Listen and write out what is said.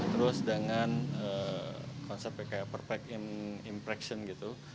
terus dengan konsepnya kayak perfect in impression gitu